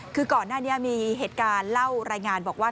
คือก่อนหน้านี้มีเหตุการณ์เล่ารายงานบอกว่า